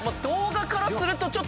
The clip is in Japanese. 動画からすると。